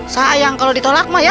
sayang kalau ditolak mah ya